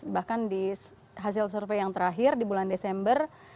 bahkan di hasil survei yang terakhir di bulan desember